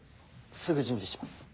すぐ準備します。